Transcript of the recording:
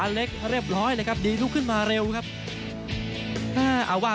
เล็กเรียบร้อยเลยครับดีลุกขึ้นมาเร็วครับ